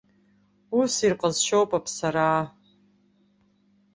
Ус ирҟазшьоуп аԥсараа.